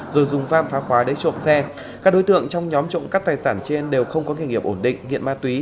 rồi dùng vam phá khóa để trộm xe các đối tượng trong nhóm trộm cắt tài sản trên đều không có kinh nghiệm ổn định nghiện ma túy